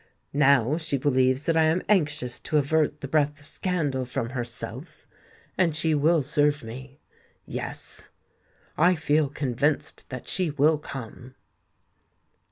Now she believes that I am anxious to avert the breath of scandal from herself; and she will serve me: yes—I feel convinced that she will come!"